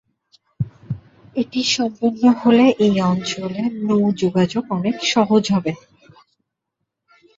এটি সম্পন্ন হলে এই অঞ্চলে নৌ যোগাযোগ অনেক সহজ হবে।